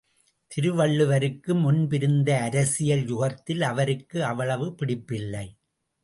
திருவள்ளுவருக்கு முன்பிருந்த அரசியல் யுகத்தில் அவருக்கு அவ்வளவு பிடிப்பில்லை.